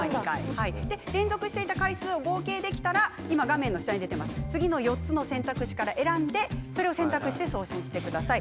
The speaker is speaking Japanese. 連続していた回数を合計できたら次の４つの選択肢から選んで送信してください。